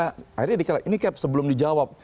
akhirnya dikira ini captain sebelum dijawab